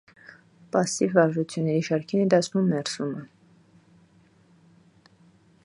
Պասսիվ վարժությունների շարքին է դասվում մերսումը։